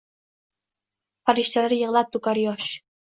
Farishtalar yig’lab to’kar yosh.